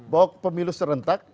bahwa pemilu serentak